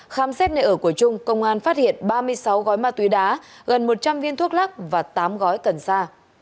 khám xét nơi ở của trung công an phát hiện ba mươi sáu gói ma túy đá gần một trăm linh viên thuốc lắc và tám gói cần sa